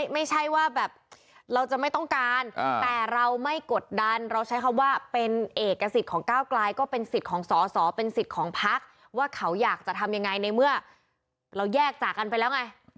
ไม่ใช่ว่าแบบเราจะไม่ต้องการแต่เราไม่กดดันเราใช้คำว่าเป็นเอกสิทธิ์ของก้าวกลายก็เป็นสิทธิ์ของสอสอเป็นสิทธิ์ของพักว่าเขาอยากจะทำยังไงในเมื่อเราแยกจากกันไปแล้วไง